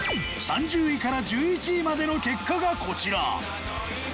３０位から１１位までの結果がこちら。